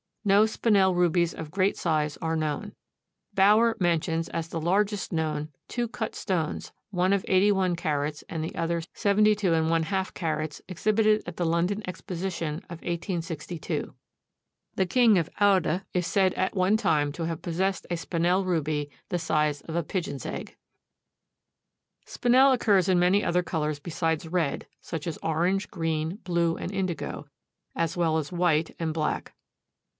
No Spinel rubies of great size are known. Bauer mentions as the largest known, two cut stones, one of 81 carats and the other 72½ carats, exhibited at the London Exposition of 1862. The King of Oude is said at one time to have possessed a Spinel ruby the size of a pigeon's egg. Spinel occurs in many other colors besides red, such as orange, green, blue and indigo, as well as white and black.